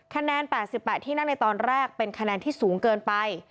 คะแนน๘๘ที่นั่งในตอนแรกเป็นคะแนนที่สูงเกินไป